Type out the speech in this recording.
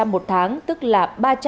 một tháng tức là ba trăm sáu mươi